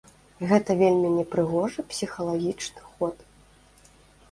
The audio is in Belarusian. Гэта вельмі непрыгожы псіхалагічны ход.